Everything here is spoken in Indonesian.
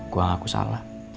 gue ngaku salah